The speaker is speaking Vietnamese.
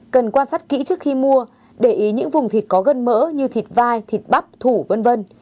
cần quan sát kỹ trước khi mua để ý những vùng thịt có gân mỡ